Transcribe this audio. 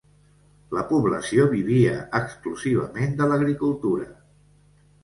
La població vivia exclusivament de l'agricultura.